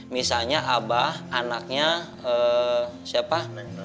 misalnya abah anaknya siapa